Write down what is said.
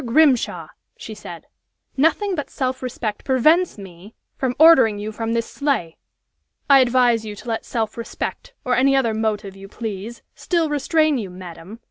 Grimshaw," she said, "nothing but self respect prevents me from ordering you from this sleigh!" "I advise you to let self respect, or any other motive you please, still restrain you, madam.